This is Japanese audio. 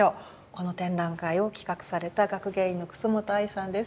この展覧会を企画された学芸員の楠本愛さんです。